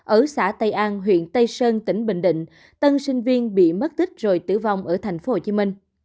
ở xã tây an huyện tây sơn tỉnh bình định tân sinh viên bị mất tích rồi tử vong ở tp hcm